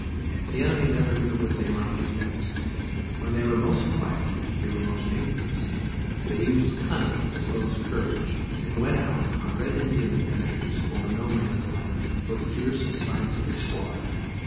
The enemy never knew what they might do next. When they were most quiet they were most dangerous. They used cunning as well as courage, and went out on red Indian adventures over No Man's Land for fierce and scientific slaughter.